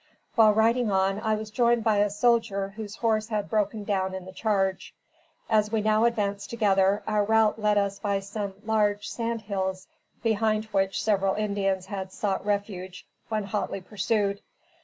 While riding on, I was joined by a soldier whose horse had broken down in the charge. As we now advanced together, our route led us by some large sand hills, behind which several Indians had sought refuge, when hotly pursued.